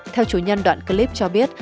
theo chủ nhân đoạn clip cho biết